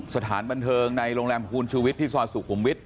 สถานบันเทิงในโรงแรมคุณชูวิทย์ที่ซอยสุขุมวิทย